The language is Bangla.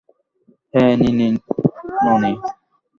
হেই, নিনি ননি!